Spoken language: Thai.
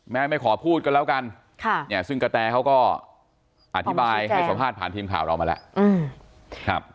ไม่ขอพูดกันแล้วกันซึ่งกระแตเขาก็อธิบายให้สัมภาษณ์ผ่านทีมข่าวเรามาแล้ว